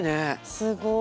すごい。